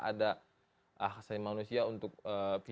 ada hak asasi manusia untuk pihak